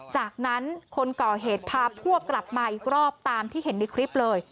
จากนั้นคนก่อเหตุพาพวกกลับมาอีกรอบตามที่เห็นในคลิปเลย